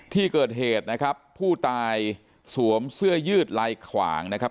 ที่เกิดเหตุนะครับผู้ตายสวมเสื้อยืดลายขวางนะครับ